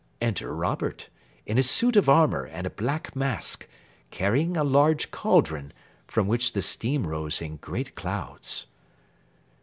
Enter Robert, in a suit of armour and a black mask, carrying a large caldron, from which the steam rose in great clouds.